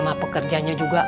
emak pekerjanya juga